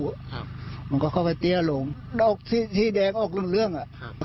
ครับมันก็เข้าไปเตี้ยลงดอกสีสีแดงออกรุ่นเรื่องอ่ะครับ